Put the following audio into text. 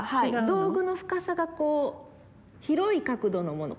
道具の深さがこう広い角度のもの。